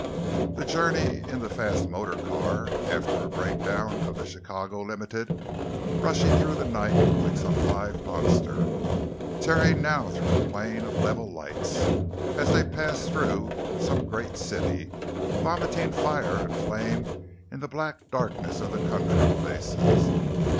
The journey in the fast motor car, after a breakdown of the Chicago Limited, rushing through the night like some live monster, tearing now through a plain of level lights, as they passed through some great city, vomiting fire and flame into the black darkness of the country places.